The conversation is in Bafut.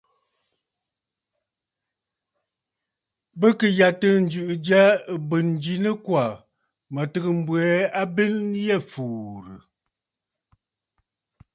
Bɨ kɨ̀ yàtə̂ ǹjɨ̀ʼɨ̀ ja ɨ̀bwèn ji nɨkwà, mə̀ tɨgə̀ m̀bwɛɛ abwen yî fùùrə̀.